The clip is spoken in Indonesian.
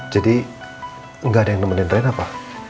jadi enggak ada yang nemenin rena pa